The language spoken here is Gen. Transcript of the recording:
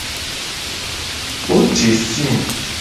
Wo je sim.